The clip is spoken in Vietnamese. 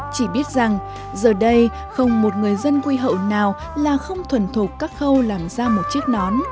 chỉ biết rằng giờ đây không một người dân quy hậu nào là không thuần thuộc các khâu làm ra một chiếc nón